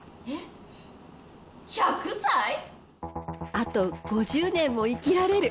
あと５０年も生きられる！